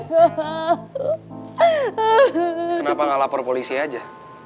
kenapa gak lapor polisi aja